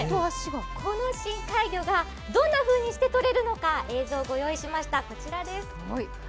この深海魚がどんなふうにしてとれるのか、映像をご用意しました。